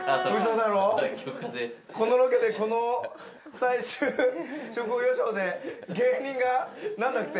このロケでこの最終職業予想で芸人が何だって？